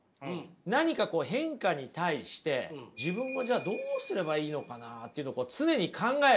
何か変化に対して自分はじゃあどうすればいいのかなっていうのを常に考える。